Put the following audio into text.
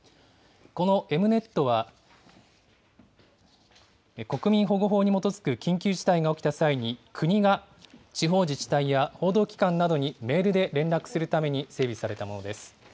このＥｍ−Ｎｅｔは国民保護法に基づく緊急事態が起きた際に、国が地方自治体や報道機関などにメールで連絡するために整備されたものです。